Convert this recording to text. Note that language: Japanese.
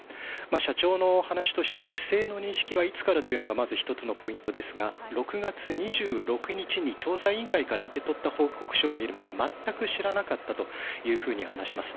社長の話としては不正の認識はいつからというのがまず１つのポイントですが６月２６日に調査委員会から受け取った報告書を見るまで全く知らなかったと話します。